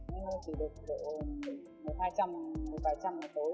nên là chỉ được khoảng một hai trăm một hai trăm là tối thôi